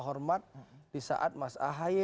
hormat di saat mas ahy